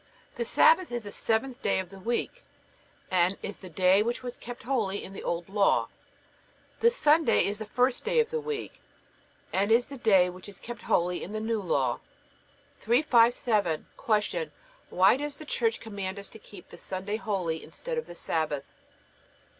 The Sabbath is the seventh day of the week, and is the day which was kept holy in the Old Law; the Sunday is the first day of the week, and is the day which is kept holy in the New Law. 357. Q. Why does the Church command us to keep the Sunday holy instead of the Sabbath?